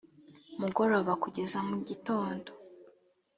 mugoroba kugeza mu gitondo